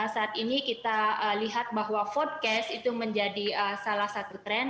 saat ini kita lihat bahwa vodcast itu menjadi salah satu tren